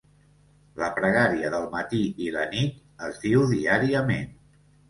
La pregària del matí i la nit es diu diàriament.